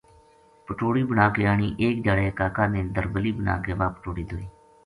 پٹوڑی بنا کے آنی ایک دھیاڑے کا کا نے دربلی بنا کے واہ پٹوڑی دھوئی